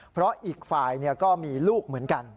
เพราะอีกฝ่ายก็มีลูกเหมือนกัน